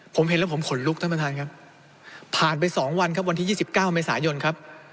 ผมเห็นแล้วผมขนลุกท่านประธานครับผ่านไป๒วันครับวันที่๒๙เมษายนครับ